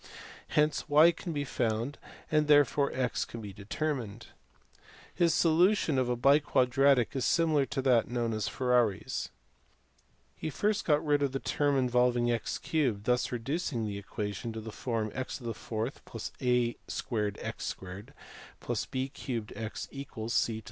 Hence y can be found, and therefore x can be determined. His solution of a biquadratic is similar to that known as Ferrari s. He first got rid of the term involving x 3 , thus reducing the equation to the form x 4 + a 2 x 2 + b 3 x = c 4 .